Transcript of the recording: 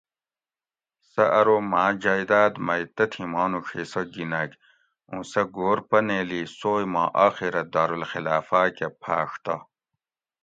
سہ ارو ماں جائداد میٔ تتھی مانوڄ حصہ گھینگ اُوں سہ گھور پنیلی سوئ ما آخرہ دارالخلافا کہ پھاۤڛ تہ